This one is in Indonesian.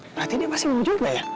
berarti dia pasti mau juga ya